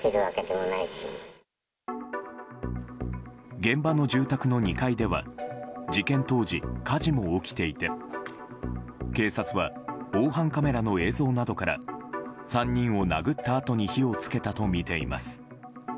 現場の住宅の２階では事件当時、火事も起きていて警察は防犯カメラの映像などから３人を殴ったあとに火をつけたとみています。